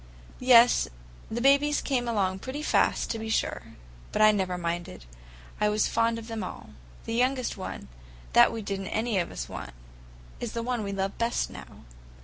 "Yes, the babies came along pretty fast, to be sure. But I never minded. I was fond of them all. The youngest one, that we did n't any of us want, is the one we love best now."